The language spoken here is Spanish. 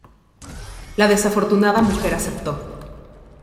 La desafortunada mujer aceptó.